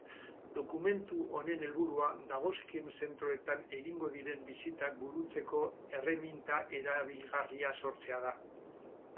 Dokumentu honen helburua dagozkien zentroetan egingo diren bisitak burutzeko erreminta erabilgarria sortzea da.